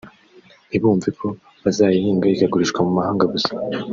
ntibumve ko bazayihinga ikagurishwa mu mahanga gusa